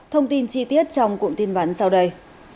thông tin chi tiết trong cuộn tin vấn sau đây